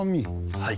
はい。